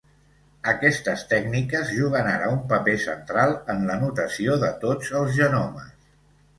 Aquestes tècniques juguen ara un paper central en l'anotació de tots els genomes.